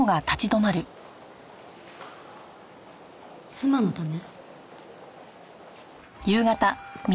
妻のため？